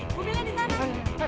mobilnya di sana